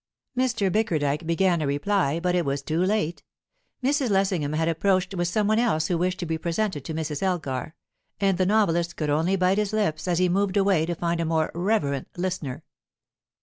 Mr. Bickerdike began a reply, but it was too late; Mrs. Lessingham had approached with some one else who wished to be presented to Mrs. Elgar, and the novelist could only bite his lips as he moved away to find a more reverent listener.